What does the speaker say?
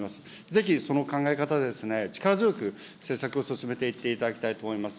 ぜひその考え方で、力強く施策を進めていっていただきたいと思います。